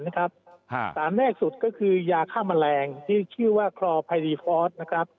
นะครับสารแรกสุดก็คือยาค่าแมลงที่ชื่อว่าคลอไพรฟอร์ส